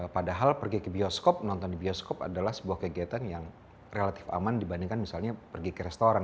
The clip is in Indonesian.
padahal pergi ke bioskop nonton di bioskop adalah sebuah kegiatan yang relatif aman dibandingkan misalnya pergi ke restoran